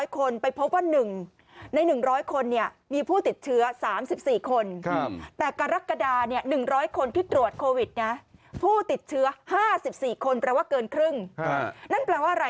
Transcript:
๑๐๐คนไปพบว่า๑ใน๑๐๐คนเนี่ยมีผู้ติดเชื้อ๓๔คนแต่กรกฎาเนี่ย๑๐๐คนที่ตรวจโควิดเนี่ยผู้ติดเชื้อ๕๔คน